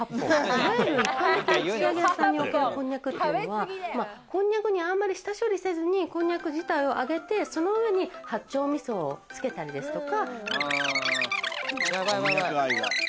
いわゆる一般的な串揚げ屋さんにおける、こんにゃくというのは、下処理はあんまりせずに、こんにゃく自体を揚げて、そのうえに八丁味噌をつけたりとか。